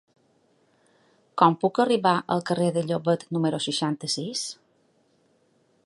Com puc arribar al carrer de Llobet número seixanta-sis?